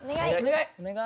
お願い！